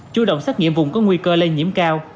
chủ động xét nghiệm vùng có nguy cơ lây nhiễm cao